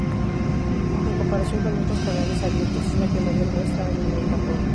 En comparación con otros canales abiertos, es la que mayor muestra anime en Japón.